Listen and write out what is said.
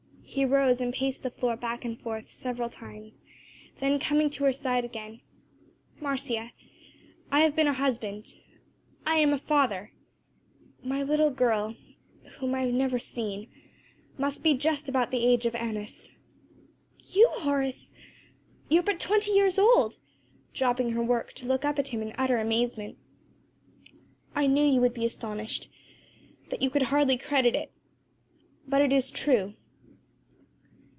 He rose and paced the floor back and forth several times; then coming to her side again, "Marcia, I have been a husband; I am a father; my little girl whom I have never seen must be just about the age of Annis." "You, Horace? you are but twenty years old!" dropping her work to look up at him in utter amazement. "I knew you would be astonished that you could hardly credit it but it is true."